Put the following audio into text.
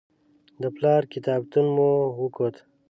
د پلار کتابتون مو وکت.